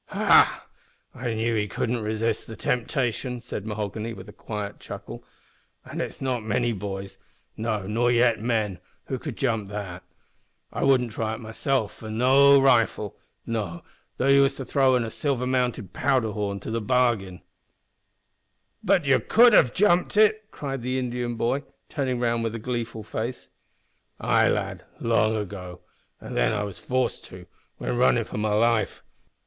"Ha! I knowed he couldn't resist the temptation," said Mahoghany, with a quiet chuckle, "an' it's not many boys no, nor yet men who could jump that. I wouldn't try it myself for a noo rifle no, though ye was to throw in a silver mounted powder horn to the bargain." "But you have jumped it?" cried the Indian boy, turning round with a gleeful face. "Ay, lad, long ago, and then I was forced to, when runnin' for my life.